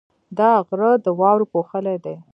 دا غره د واورو پوښلی دی.